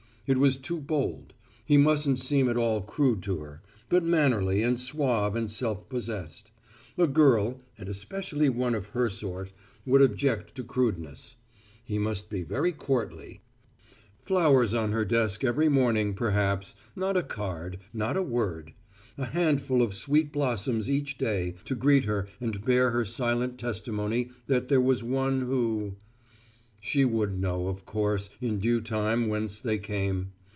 It was too bold. He mustn't seem at all crude to her, but mannerly and suave and self possessed. A girl, and especially one of her sort, would object to crudeness. He must be very courtly, knightly. Flowers on her desk every morning, perhaps, not a card, not a word. A handful of sweet blossoms each day to greet her and bear her silent testimony that there was one who She would know, of course, in due time whence they came.